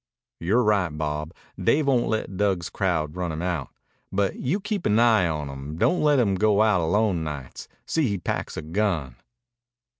"You're right, Bob. Dave won't let Dug's crowd run him out. But you keep an eye on him. Don't let him go out alone nights. See he packs a gun."